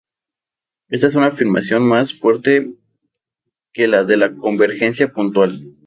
Esta es una afirmación más fuerte que la de la convergencia puntual.